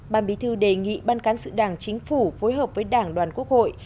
ban bí thư đề nghị ban cán sự đảng chính phủ phối hợp với đảng đoàn quốc hội